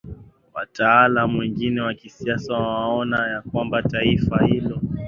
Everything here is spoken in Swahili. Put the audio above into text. Wataalamu wengine wa kisasa wanaona ya kwamba taifa hilo